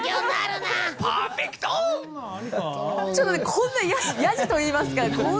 こんなにやじといいますか。